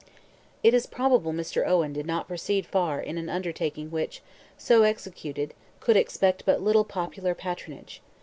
It is probable Mr. Owen did not proceed far in an undertaking which, so executed, could expect but little popular patronage.